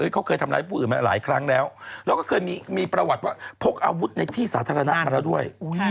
เขาเคยทำร้ายผู้อื่นมาหลายครั้งแล้วแล้วก็เคยมีประวัติว่าพกอาวุธในที่สาธารณะมาแล้วด้วย